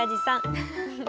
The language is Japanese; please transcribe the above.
フフフ。